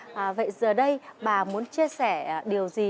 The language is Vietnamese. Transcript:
vậy giờ đây bà muốn chia sẻ điều gì